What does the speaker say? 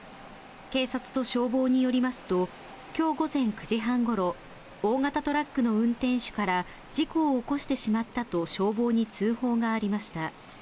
警察と消防によりますと、きょう午前９時半ごろ、大型トラックの運転手から、事故を起こしてしまったと消防に通報がありました。